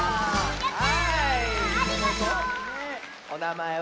やった！